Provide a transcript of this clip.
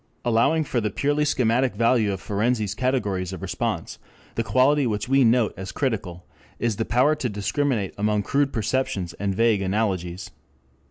] Allowing for the purely schematic value of Ferenczi's categories of response, the quality which we note as critical is the power to discriminate among crude perceptions and vague analogies.